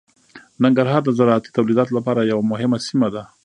ننګرهار د زراعتي تولیداتو لپاره یوه مهمه سیمه ده.